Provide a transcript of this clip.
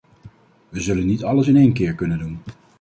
Wij zullen niet alles in één keer kunnen doen.